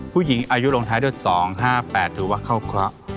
ผู้หญิงอายุลงท้ายด้วยสองห้าแปดถือว่าเข้าเกราะ